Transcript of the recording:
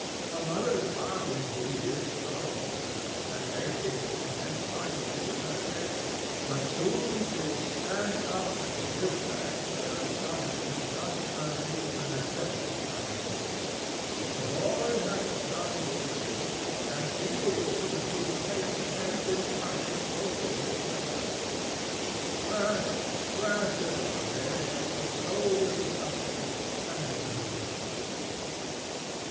A mother's heart, indeed, is strong in her, and may seem to contend mightily with her faith; but soon she will stand up and give thanks that her son has been thus early an accepted sacrifice. The boy hath done his work, and she will feel that he is taken hence in kindness both to him and her. Blessed, blessed are they that with so little suffering can enter into peace!"